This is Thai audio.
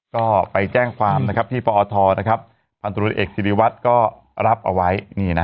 ก็ไปแจ้งความที่ปอทพันธุรกิจเอกสิริวัตรก็รับเอาไว้